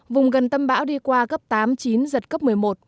vùng gần tâm bão đi qua cấp tám chín giật cấp một mươi một